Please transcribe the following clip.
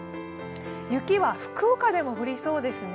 雪は福岡でも降りそうですね。